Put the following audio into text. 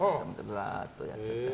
ぶわーっとやっちゃって。